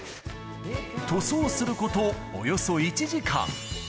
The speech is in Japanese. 塗装することおよそ１時間。